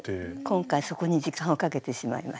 今回そこに時間をかけてしまいました。